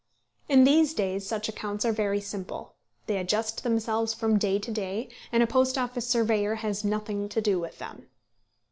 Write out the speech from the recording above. In these days such accounts are very simple. They adjust themselves from day to day, and a Post Office surveyor has nothing to do with them.